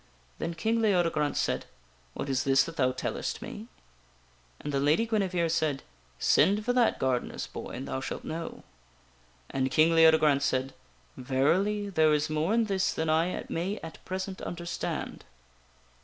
Then King Leodegrance said :" What is this that thou tellestme?" And the Lady Guinevere said: " Send for that gardener's boy and thou shalt know." And King Leodegrance said :" Verily, there is more in this than I may at present understand."